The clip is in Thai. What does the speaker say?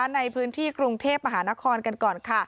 ในพื้นที่กรุงเทพมหานครกันก่อน